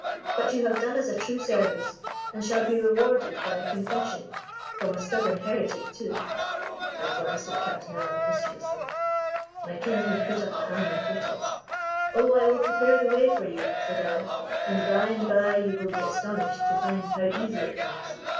"But you have done us a true service, and shall be rewarded by a confession from a stubborn heretic, too." I glanced at Captain Alan mischievously. My kinsman put up a hand in protest. "Oh, I will prepare the way for you," said I: "and by and by you will be astonished to find how easy it comes."